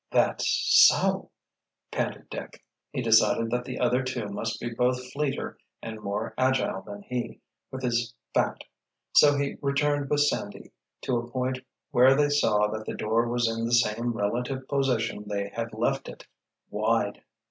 "That's—so," panted Dick. He decided that the other two must be both fleeter and more agile than he, with his fat; so he returned with Sandy, to a point where they saw that the door was in the same relative position they had left it—wide.